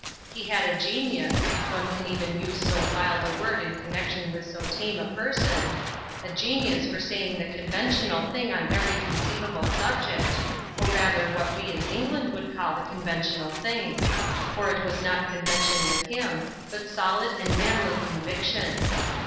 He had a genius (if one can even use so wild a word in connexion with so tame a person) a genius for saying the conventional thing on every conceivable subject; or rather what we in England would call the conventional thing. For it was not convention with him, but solid and manly conviction.